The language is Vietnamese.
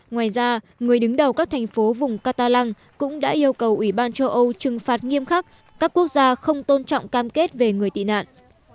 ngoài ra người đứng đầu các thành phố vùng katalang cũng đã yêu cầu ủy ban châu âu trừng phạt nghiêm khắc các quốc gia không tôn trọng cam kết về người tị nạn